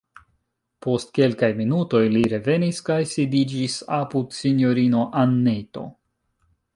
Post kelkaj minutoj li revenis kaj sidiĝis apud sinjorino Anneto.